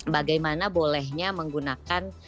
bagaimana bolehnya menggunakan